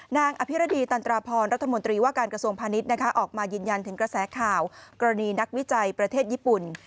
อภิรดีตันตราพรรัฐมนตรีว่าการกระทรวงพาณิชย์ออกมายืนยันถึงกระแสข่าวกรณีนักวิจัยประเทศญี่ปุ่น